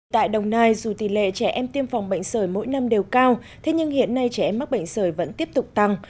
tại đồng nai dù tỷ lệ trẻ em tiêm phòng bệnh sởi mỗi năm đều cao thế nhưng hiện nay trẻ em mắc bệnh sởi vẫn tiếp tục tăng